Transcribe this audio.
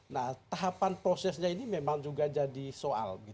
nah tahapan prosesnya ini memang juga jadi soal